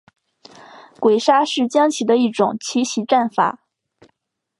鬼杀是将棋的一种奇袭战法。